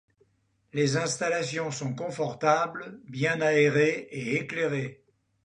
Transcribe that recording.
Les installations sont confortables, bien aérées et éclairées.